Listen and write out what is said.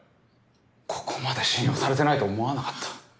ここまで信用されてないと思わなかった。